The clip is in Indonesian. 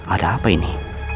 ada apa ini